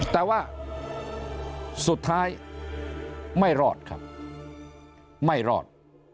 แต่ว่าสุดท้ายไม่รอดครับไม่รอด